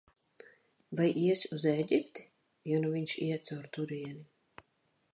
Vai iesi uz Ēģipti, ja nu viņš iet caur turieni?